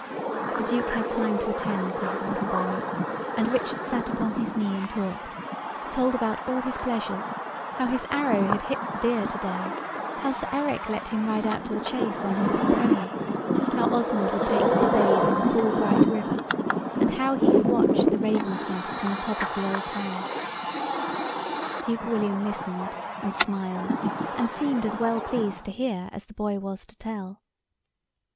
The Duke had time to attend to his little boy, and Richard sat upon his knee and talked, told about all his pleasures, how his arrow had hit the deer to day, how Sir Eric let him ride out to the chase on his little pony, how Osmond would take him to bathe in the cool bright river, and how he had watched the raven's nest in the top of the old tower. Duke William listened, and smiled, and seemed as well pleased to hear as the boy was to tell.